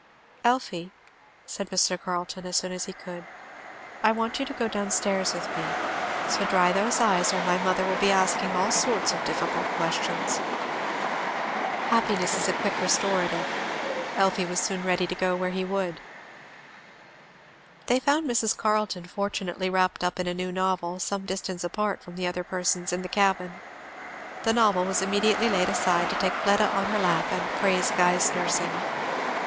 "Elfie," said Mr. Carleton, as soon as he could, "I want you to go down stairs with me; so dry those eyes, or my mother will be asking all sorts of difficult questions." Happiness is a quick restorative. Elfie was soon ready to go where he would. They found Mrs. Carleton fortunately wrapped up in a new novel, some distance apart from the other persons in the cabin. The novel was immediately laid aside to take Fleda on her lap and praise Guy's nursing.